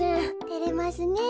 てれますねえ。